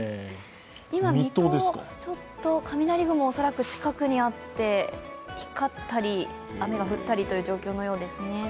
今、三戸、雷雲近くにあって光ったり雨が降ったりという状況のようですね。